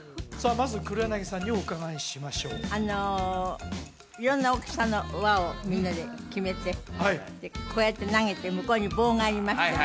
まず黒柳さんにお伺いしましょうあの色んな大きさの輪をみんなで決めてこうやって投げて向こうに棒がありましてね